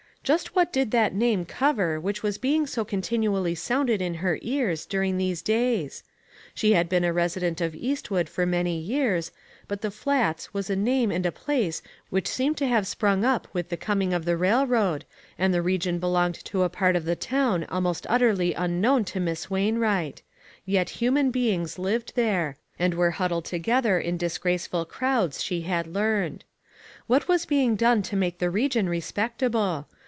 Just what did that name cover which was being so continually sounded in her ears during these days? She had been a resident of Eastwood for many years, but the Flats was a name and a place which seemed to have sprung up with the coming of the railroad, and the region belonged to a part of the town almost utterly unknown to Miss Wainwright; yet human beings lived there, and were huddled together in dis graceful crowds, she had heard. What was THINGS THAT FITTED. 273 being done to make the region respectable?